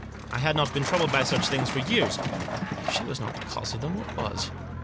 I had not been troubled by such things for years. If she was not the cause of them, what was